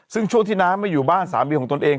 ซึ่งช่วงที่น้าไม่อยู่บ้านสามีของตนเอง